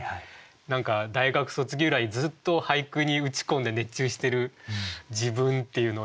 何か大学卒業以来ずっと俳句に打ち込んで熱中してる自分っていうのを何か重ねちゃうんですね。